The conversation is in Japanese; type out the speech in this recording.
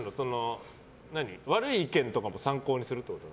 悪い意見とかも参考にするってこと？